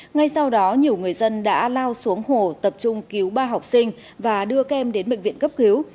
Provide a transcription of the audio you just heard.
ngay sau đó nhiều người dân đã lao xuống hồ tập trung cứu ba học sinh và đưa các em đến bệnh viện cấp cứu